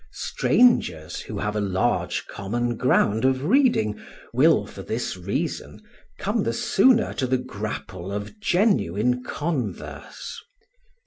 Strangers who have a large common ground of reading will, for this reason, come the sooner to the grapple of genuine converse.